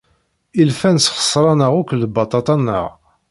Ilfan sxeṣren-aɣ akk lbaṭaṭa-nneɣ.